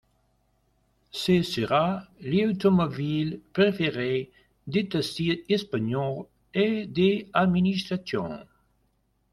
Ce sera l'automobile préférée des taxis espagnols et des administrations.